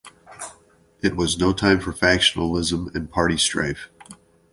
It was no time for factionalism and party strife.